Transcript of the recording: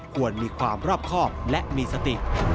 ควรมีความรอบครอบและมีสติ